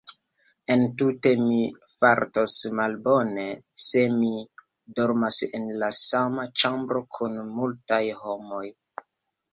Entute mi fartos malbone se mi dormas en la sama ĉambro kun multaj homoj.